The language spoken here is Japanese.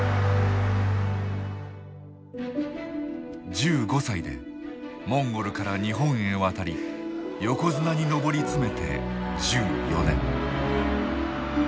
１５歳でモンゴルから日本へ渡り横綱に上り詰めて１４年。